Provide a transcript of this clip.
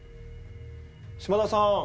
「島田さん」。